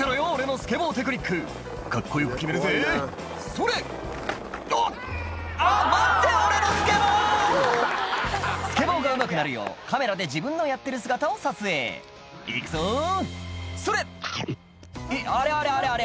スケボーがうまくなるようカメラで自分のやってる姿を撮影「行くぞそれ！」「あれあれ？